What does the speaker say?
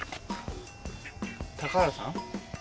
高原さん？